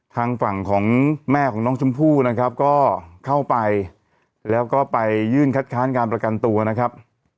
ทางฝั่งของแม่ของน้องชมพู่นะครับก็เข้าไปแล้วก็ไปยื่นคัดค้านการประกันตัวนะครับ